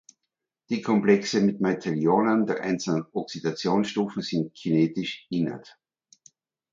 Die Komplexe mit Metallionen der einzelnen Oxidationsstufen sind kinetisch inert.